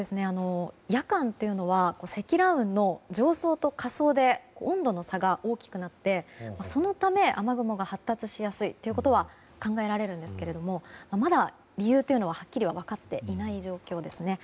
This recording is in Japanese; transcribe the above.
夜間っていうのは積乱雲の上層と下層で温度の差が大きくなってそのため、雨雲が発達しやすいということは考えられるんですがまだ理由というのは、はっきり分かっていない状況ですね。